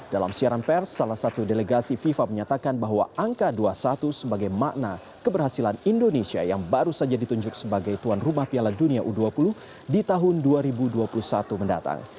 dalam siaran pers salah satu delegasi fifa menyatakan bahwa angka dua puluh satu sebagai makna keberhasilan indonesia yang baru saja ditunjuk sebagai tuan rumah piala dunia u dua puluh di tahun dua ribu dua puluh satu mendatang